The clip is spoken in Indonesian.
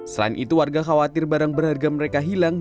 selain itu warga khawatir barang berharga mereka hilang